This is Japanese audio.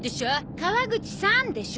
「川口さん」でしょ！